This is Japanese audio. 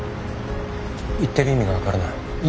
言ってる意味が分からない。